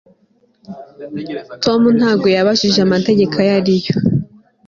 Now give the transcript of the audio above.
Tom ntabwo yabajije amategeko ayo ari yo